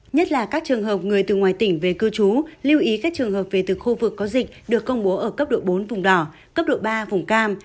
nhất là các trường hợp người từ ngoài tỉnh về cư trú lưu ý các trường hợp về từ khu vực có dịch được công bố ở cấp độ bốn vùng đỏ cấp độ ba vùng cam